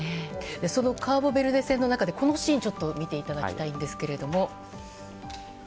そのカーボベルデ戦の中でこのシーンを見ていただきたいんですけれども。